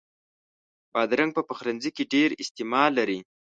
بادرنګ په پخلنځي کې ډېر استعمال لري.